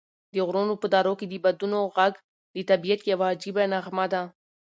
د غرونو په درو کې د بادونو غږ د طبعیت یوه عجیبه نغمه ده.